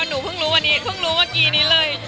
หนูเพิ่งรู้วันนี้เพิ่งรู้เมื่อกี้นี้เลย